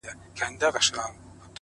هره ستونزه یو درس لري’